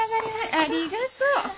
ありがとう。